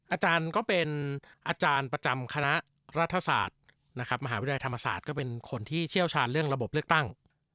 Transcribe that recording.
อาจารย์ก็เป็นอาจารย์ประจำคณะรัฐศาสตร์นะครับมหาวิทยาลัยธรรมศาสตร์ก็เป็นคนที่เชี่ยวชาญเรื่องระบบเลือกตั้ง